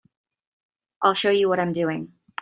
I'll show you what I'm doing.